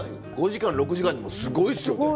５時間６時間でもすごいっすよね。